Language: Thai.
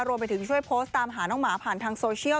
รวมไปถึงช่วยโพสต์ตามหาน้องหมาผ่านทางโซเชียล